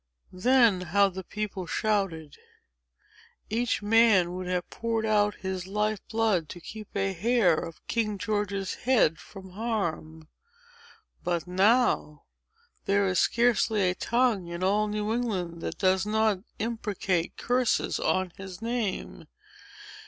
Then how the people shouted. Each man would have poured out his life blood to keep a hair of King George's head from harm. But now, there is scarcely a tongue in all New England that does not imprecate curses on his name.